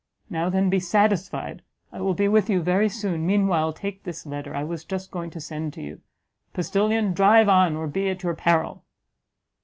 Now then be satisfied; I will be with you very soon. Meanwhile, take this letter, I was just going to send to you. Postilion, drive on, or be at your peril!"